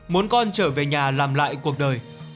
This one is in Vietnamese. muốn con trở về nhà làm lại cuộc đời